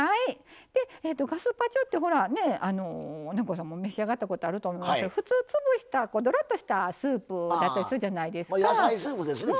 ガスパチョって南光さんも召し上がったことあると思いますけど普通、潰したどろっとしたスープだったりするじゃないですか。